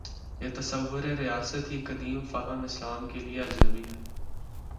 یہ تصور ریاست ہی قدیم فہم اسلام کے لیے اجنبی ہے۔